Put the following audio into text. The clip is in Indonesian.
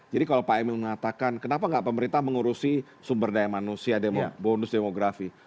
jadi kalau pak emil mengatakan kenapa enggak pemerintah mengurusi sumber daya manusia bonus demografi